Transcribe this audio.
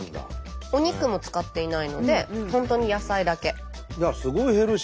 お肉も使っていないので本当に野菜だけ。